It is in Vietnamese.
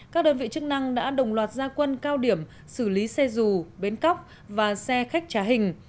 các đơn vị chức năng đã đồng loạt gia quân cao điểm xử lý xe dù bến cóc và xe khách trá hình